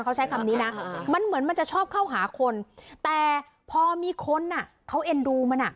เขาใช้คำนี้นะมันเหมือนมันจะชอบเข้าหาคนแต่พอมีคนอ่ะเขาเอ็นดูมันอ่ะ